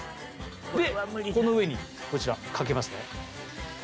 でこの上にこちらかけます。